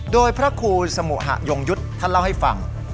โดยพระครูสมุหะยงยุทธ์ท่านเล่าให้ฟัง